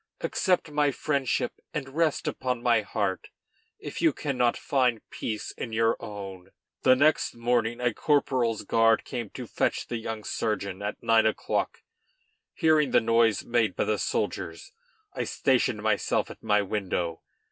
Accept my friendship, and rest upon my heart, if you cannot find peace in your own." The next morning a corporal's guard came to fetch the young surgeon at nine o'clock. Hearing the noise made by the soldiers, I stationed myself at my window.